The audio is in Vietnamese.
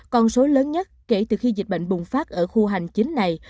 con số lớn nhất kể từ khi dịch bệnh bùng phát ở khu hành chính này